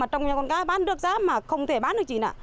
trong nhà con cá bán được giá mà không thể bán được chị nạ